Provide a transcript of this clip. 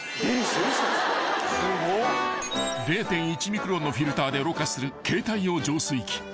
［０．１ミクロンのフィルターでろ過する携帯用浄水器］